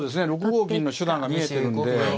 ６五銀の手段が見えてるんで。